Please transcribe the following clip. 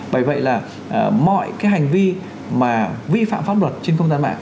bởi vậy là mọi cái hành vi mà vi phạm pháp luật trên không gian mạng